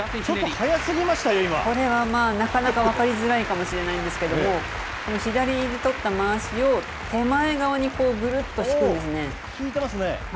ちょっと早すぎましたよ、これは、なかなか分かりづらいかもしれないんですけど、左取ったまわしを、手前側にぐるっと引いてますね。